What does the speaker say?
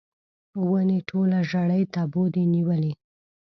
ونې ټوله ژړۍ تبو دي نیولې